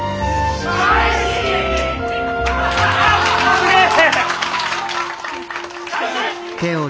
すげえ！